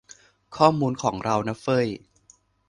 ข้อมูลของเรานะเฟ้ย